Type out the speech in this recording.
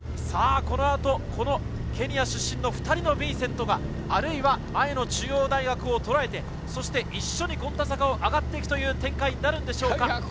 さあ、このあと、このケニア出身の２人のヴィンセントが、あるいは前の中央大学を捉えて、そして一緒に権太坂を上がっていくという展開になるんでしょうか。